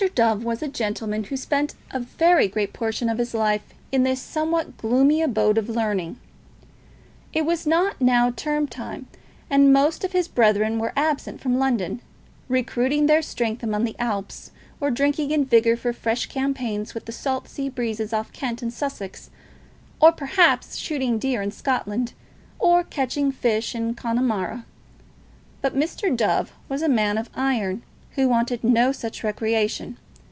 Dove was a gentleman who spent a very great portion of his life in this somewhat gloomy abode of learning. It was not now term time, and most of his brethren were absent from London, recruiting their strength among the Alps, or drinking in vigours for fresh campaigns with the salt sea breezes of Kent and Sussex, or perhaps shooting deer in Scotland, or catching fish in Connemara. But Mr. Dove was a man of iron, who wanted no such recreation.